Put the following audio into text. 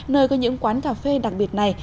nơi có những quán cà phê đặc biệt này